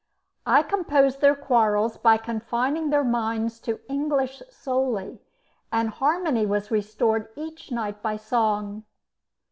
I composed their quarrels by confining their minds to English solely, and harmony was restored each night by song.